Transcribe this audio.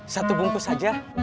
satu bungkus aja